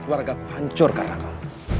keluarga pancur karena kamu